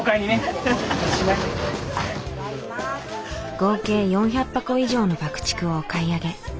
合計４００箱以上の爆竹をお買い上げ。